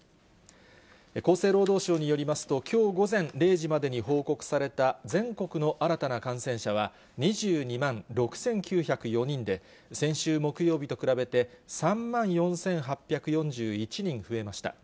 厚生労働省によりますと、きょう午前０時までに報告された、全国の新たな感染者は２２万６９０４人で、先週木曜日と比べて、３万４８４１人増えました。